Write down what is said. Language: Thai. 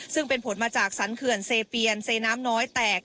ซึ่งเป็นผลมาจากสรรเขื่อนเซเปียนเซน้ำน้อยแตก